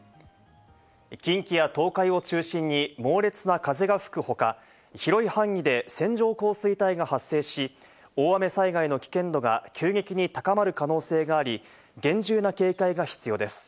近畿や東海を中心に猛烈な風が吹く他、広い範囲で線状降水帯が発生し、大雨災害の危険度が急激に高まる可能性があり、厳重な警戒が必要です。